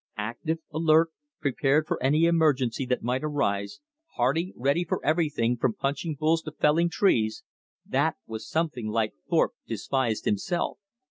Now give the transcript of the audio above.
Active, alert, prepared for any emergency that might arise; hearty, ready for everything, from punching bulls to felling trees that was something like! Thorpe despised himself.